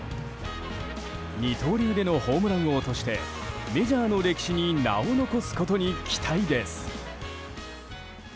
二刀流でのホームラン王としてメジャーの歴史に名を残すことに期待です。